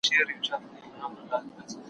زه به اوږده موده د سوالونو جواب ورکړی وم!.